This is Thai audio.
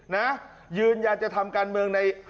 นะยืนยันจะทำการเมืองใน